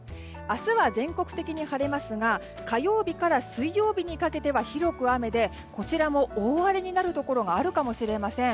明日は全国的に晴れますが火曜日から水曜日にかけては広く雨でこちらも大荒れになるところがあるかもしれません。